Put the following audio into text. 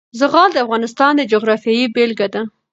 زغال د افغانستان د جغرافیې بېلګه ده.